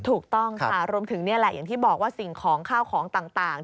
ถูกต้องค่ะรวมถึงนี่แหละอย่างที่บอกว่าสิ่งของข้าวของต่าง